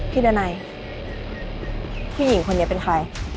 พี่ด่านัยพี่หญิงคนนี้เป็นใคร